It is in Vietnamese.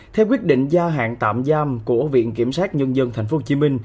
theo quyết định gia hạn tạm giam của viện kiểm sát nhân dân tp hcm